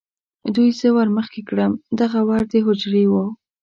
دوی زه ور مخې کړم، دغه ور د هوجرې و.